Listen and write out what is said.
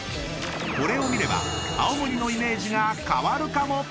［これを見れば青森のイメージが変わるかも！］